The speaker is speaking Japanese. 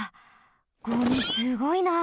ゴミすごいな。